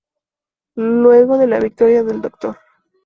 Luego de la victoria del Dr.